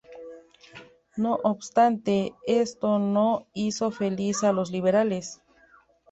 No obstante, esto no hizo feliz a los liberales.